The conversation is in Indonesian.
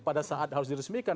pada saat harus diresmikan